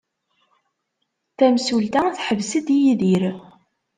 Tamsulta teḥbes-d Yidir.